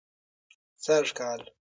سږ کال